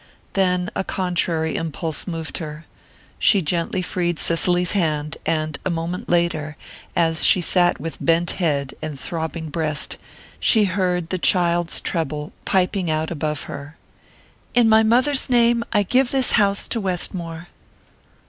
Then a contrary impulse moved her. She gently freed Cicely's hand, and a moment later, as she sat with bent head and throbbing breast, she heard the child's treble piping out above her: "In my mother's name, I give this house to Westmore."